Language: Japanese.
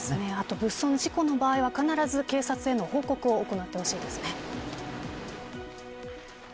物損事故の場合は必ず警察への報告を行ってほしいです。